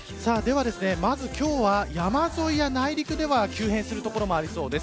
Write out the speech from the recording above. まず今日は、山沿いや内陸では急変する所もありそうです。